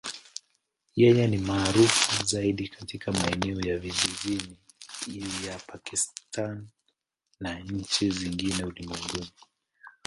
Yeye ni maarufu zaidi katika maeneo ya vijijini ya Pakistan na nchi zingine ulimwenguni.